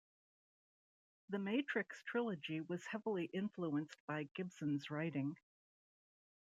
The Matrix Trilogy was heavily influenced by Gibson's writing.